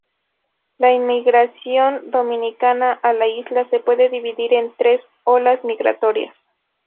La inmigración dominicana a la isla se puede dividir en tres olas migratorias.